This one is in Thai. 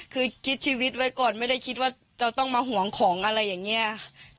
คือคิดชีวิตไว้ก่อนไม่ได้คิดว่าจะต้องมาห่วงของอะไรอย่างนี้